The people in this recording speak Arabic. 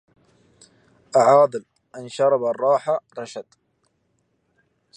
أعاذل إن شرب الراح رشد